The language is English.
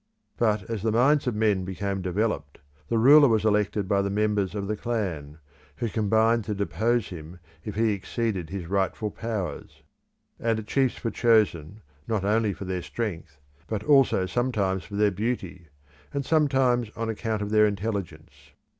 But as the minds of men became developed, the ruler was elected by the members of the clan, who combined to depose him if he exceeded his rightful powers; and chiefs were chosen not only for their strength, but also sometimes for their beauty, and sometimes on account of their intelligence.